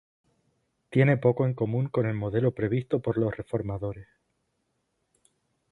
Tiene poco en común con el modelo previsto por los reformadores.